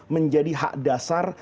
menjadi hak dasar